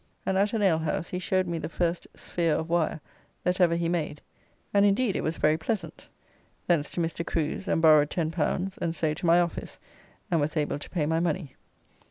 ] and at an alehouse he showed me the first sphere of wire that ever he made, and indeed it was very pleasant; thence to Mr. Crew's, and borrowed L10, and so to my office, and was able to pay my money.